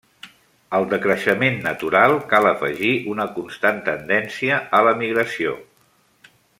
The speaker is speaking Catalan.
Al decreixement natural cal afegir una constant tendència a l'emigració.